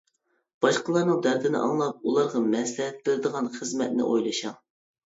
باشقىلارنىڭ دەردىنى ئاڭلاپ، ئۇلارغا مەسلىھەت بېرىدىغان خىزمەتنى ئويلىشىڭ.